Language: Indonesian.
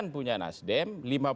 lima puluh sembilan punya nasdem